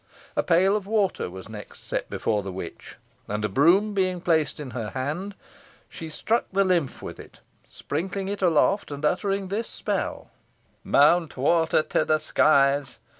A pail of water was next set before the witch, and a broom being placed in her hand, she struck the lymph with it, sprinkling it aloft, and uttering this spell: "Mount, water, to the skies!